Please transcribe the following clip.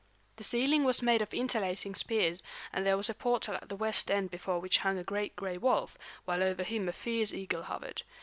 The ceiling was made of interlacing spears, and there was a portal at the west end before which hung a great gray wolf, while over him a fierce eagle hovered.